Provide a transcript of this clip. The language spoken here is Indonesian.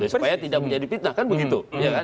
supaya tidak menjadi fitnah kan begitu